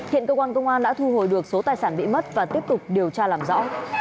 hiện cơ quan công an đã thu hồi được số tài sản bị mất và tiếp tục điều tra làm rõ